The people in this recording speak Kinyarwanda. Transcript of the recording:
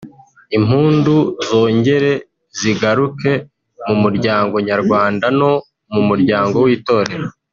impundu zongere zigaruke mu muryango nyarwanda no mu muryango w’Itorero